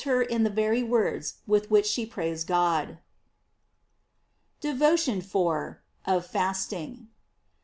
her in the very words with which she praised God. DEVOTION IV. — OF FASTING.